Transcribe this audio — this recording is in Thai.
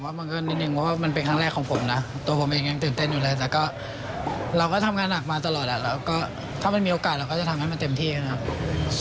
บังเอิญนิดนึงเพราะว่ามันเป็นครั้งแรกของผมนะตัวผมเองยังตื่นเต้นอยู่เลยแต่ก็เราก็ทำงานหนักมาตลอดแล้วก็ถ้ามันมีโอกาสเราก็จะทำให้มันเต็มที่นะครับ